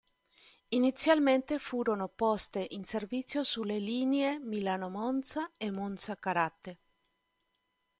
Inizialmente furono poste in servizio sulle linee Milano-Monza e Monza-Carate.